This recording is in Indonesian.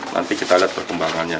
nanti kita lihat perkembangannya